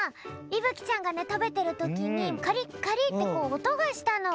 いぶきちゃんがたべてるときにカリッカリッて音がしたの。